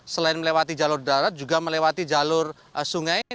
selain melewati jalur darat juga melewati jalur sungai